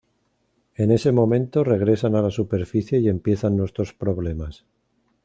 En ese momento regresan a la superficie y empiezan nuestros problemas.